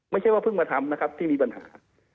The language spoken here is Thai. ไม่ใช่ว่าเพิ่งมาทำนะครับที่มีปัญหา